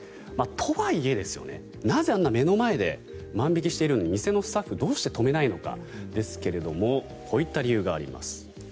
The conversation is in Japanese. とはいえ、なぜあんな目の前で万引きをしているのに店のスタッフどうして止めないのかですがこういった理由があります。